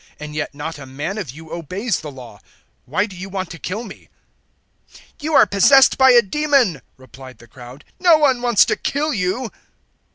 And yet not a man of you obeys the Law. Why do you want to kill me?" 007:020 "You are possessed by a demon," replied the crowd; "no one wants to kill you."